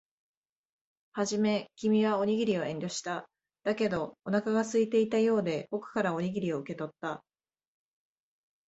はじめ、君はおにぎりを遠慮した。だけど、お腹が空いていたようで、僕からおにぎりを受け取った。